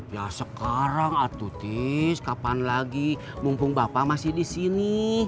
ya sekarang atutis kapan lagi mumpung bapak masih disini